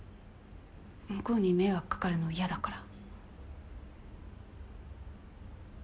向こうに迷惑かかるの嫌だから。